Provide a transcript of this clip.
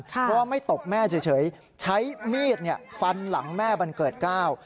เพราะว่าไม่ตบแม่เฉยใช้มีดฟันหลังแม่บันเกิดก้าว